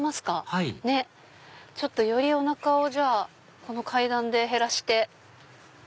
はいよりおなかをこの階段でへらして。